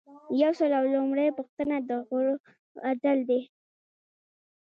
یو سل او لومړۍ پوښتنه د غړو عزل دی.